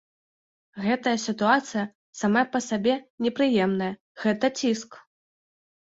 Гэтая сітуацыя сама па сабе непрыемная, гэта ціск.